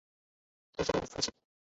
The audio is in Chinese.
他是我父亲